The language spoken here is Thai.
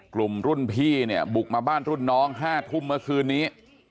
กลุ่มรุ่นพี่เนี่ยบุกมาบ้านรุ่นน้อง๕ทุ่มเมื่อคืนนี้